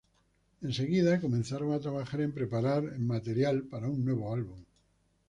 Enseguida comenzaron a trabajar en preparar material para un nuevo álbum.